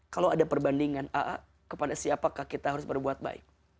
kalau ada perbandingan a'a kepada siapakah kita harus berbuat baik